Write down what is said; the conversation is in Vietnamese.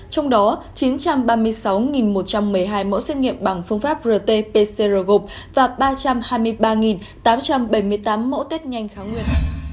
trong đó chín trăm ba mươi sáu một trăm một mươi hai mẫu xét nghiệm bằng phương pháp rt pcr gộp và ba trăm hai mươi ba tám trăm bảy mươi tám mẫu test nhanh kháng nguy